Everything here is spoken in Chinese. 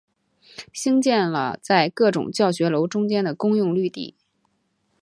兴建了在各种教学楼中间的公用绿地。